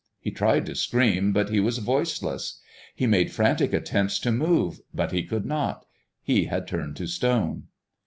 He tried to scream, but he was voiceless. He made frantic attempts to move, but he could not; he had turned to stone.